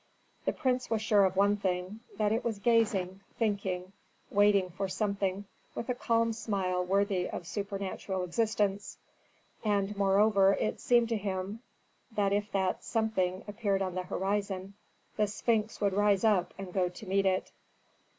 The prince was sure of one thing, that it was gazing, thinking, waiting for something with a calm smile worthy of supernatural existence. And, moreover, it seemed to him that if that something appeared on the horizon, the Sphinx would rise up and go to meet it.